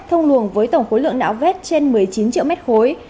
thông luồng với tổng khối lượng nạo vét trên một mươi chín triệu mét khối